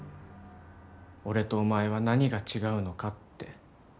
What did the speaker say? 俺とお前は何が違うのかって。